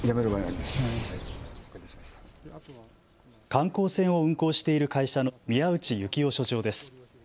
観光船を運航している会社の宮内幸雄所長です。